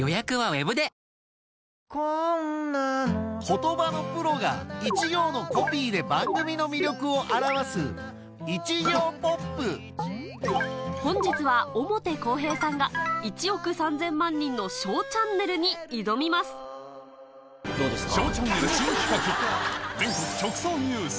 言葉のプロが一行のコピーで番組の魅力を表す本日は表公平さんが『１億３０００万人のＳＨＯＷチャンネル』に挑みますどうですか？